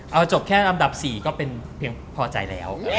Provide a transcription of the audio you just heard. เอาจบแค่อันดับ๔ก็เป็นเพียงพอใจแล้ว